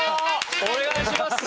お願いします。